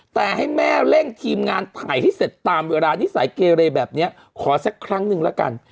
แต่ให้แม่เร่งทีมงานถ่ายให้เสร็จตามเวลานิสัยเกเรแบบนี้ขอสักครั้งหนึ่งแล้วกัน